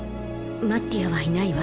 マッティアはいないわ。